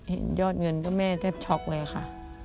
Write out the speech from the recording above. เห็นยอดเงินก็แม่แทบช็อกเลยค่ะ